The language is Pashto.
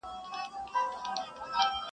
هره ورځ به زموږ خپلوان پکښي بندیږی -